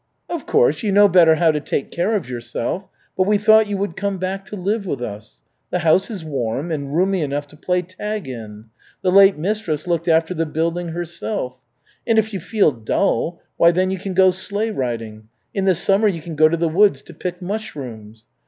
"Of course, you know better how to take care of yourself. But we thought you would come back to live with us. The house is warm, and roomy enough to play tag in. The late mistress looked after the building herself. And if you feel dull, why then you can go sleigh riding. In the summer you can go to the woods to pick mushrooms."